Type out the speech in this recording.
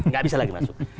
tidak bisa lagi masuk